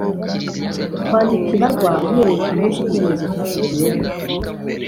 Kwandika ibarwa uhereye ku munsi icyemezo cyafatiweho